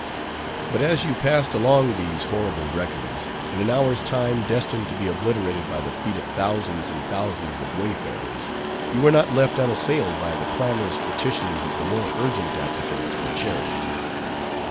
But as you passed along these horrible records, in an hour's time destined to be obliterated by the feet of thousands and thousands of wayfarers, you were not left unassailed by the clamorous petitions of the more urgent applicants for charity.